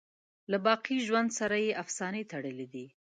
له باقی ژوند سره یې افسانې تړلي دي.